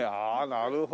なるほどね。